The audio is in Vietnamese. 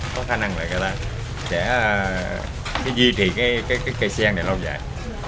có khả năng là người ta sẽ duy trì cái cây sen này lâu dài